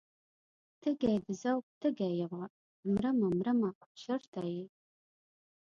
تږی د ذوق تږی یمه مرمه مرمه چرته یې؟